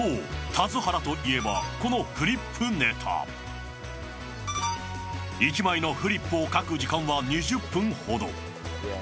田津原といえばこのフリップネタ。１枚のフリップを描く時間は２０分ほど。